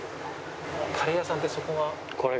カレー屋さんってそこが。